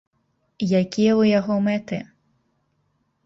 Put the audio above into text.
Якія ў яго мэты?